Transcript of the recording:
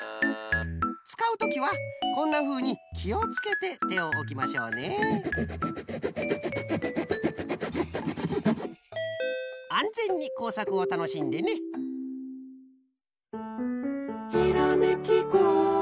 つかうときはこんなふうにきをつけててをおきましょうねあんぜんにこうさくをたのしんでねピンポンパンポン。